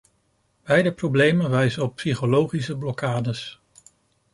Beide problemen wijzen op psychologische blokkades.